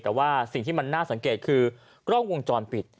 แต่ว่าสิ่งที่มันน่าสังเกตคือกล้องวงจรปิด